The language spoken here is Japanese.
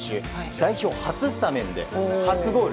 代表初スタメンで初ゴール。